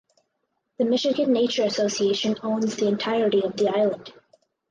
The Michigan Nature Association owns the entirety of the island.